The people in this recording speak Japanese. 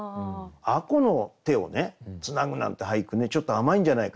吾子の手をつなぐなんて俳句ねちょっと甘いんじゃないか。